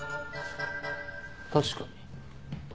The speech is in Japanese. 確かに。